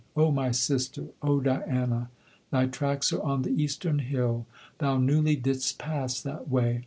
O my sister! O Diana! thy tracks are on the eastern hill; thou newly didst pass that way.